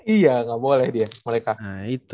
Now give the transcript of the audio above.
iya nggak boleh dia